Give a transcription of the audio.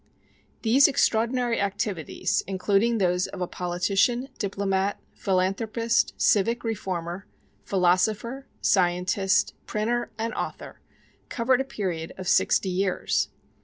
These extraordinary activities, including those of a politician, diplomat, philanthropist, civic reformer, philosopher, scientist, printer, and author, covered a period of sixty years.